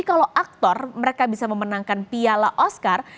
kalau aktor mereka bisa memenangkan piala oscar